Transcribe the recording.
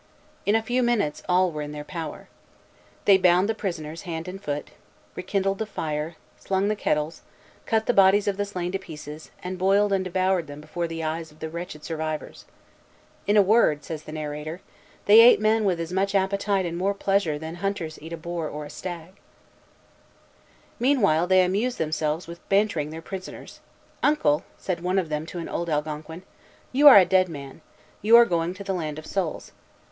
In a few minutes all were in their power. They bound the prisoners hand and foot, rekindled the fire, slung the kettles, cut the bodies of the slain to pieces, and boiled and devoured them before the eyes of the wretched survivors. "In a word," says the narrator, "they ate men with as much appetite and more pleasure than hunters eat a boar or a stag." Vimont, Relation, 1642, 46. Meanwhile they amused themselves with bantering their prisoners. "Uncle," said one of them to an old Algonquin, "you are a dead man. You are going to the land of souls.